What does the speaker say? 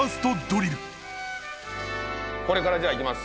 これからじゃあいきます。